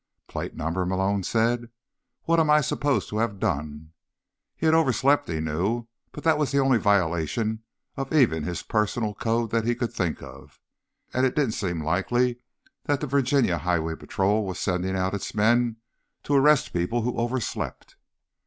"Plate number?" Malone said. "What am I supposed to have done?" He'd overslept, he knew, but that was the only violation of even his personal code that he could think of. And it didn't seem likely that the Virginia Highway Patrol was sending out its men to arrest people who overslept.